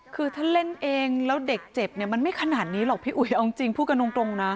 คือถ้าเล่นเองแล้วเด็กเจ็บเนี่ยมันไม่ขนาดนี้หรอกพี่อุ๋ยเอาจริงพูดกันตรงนะ